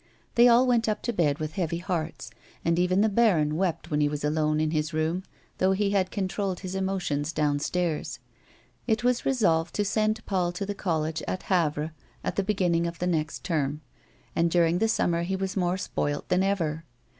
They all went up to bed with heavy hearts, and even the baron wept when he was alone in his own room, though he had con trolled his emotion downstairs. It was resolved to send Paul to the college at Havre at the beginning of the next term, and during the summer he was mere spoilt than ever.